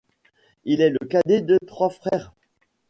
Il est le cadet de trois frères.